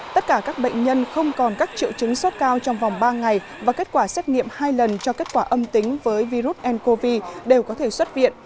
tất cả các bệnh nhân không còn các triệu chứng sốt cao trong vòng ba ngày và kết quả xét nghiệm hai lần cho kết quả âm tính với virus ncov đều có thể xuất viện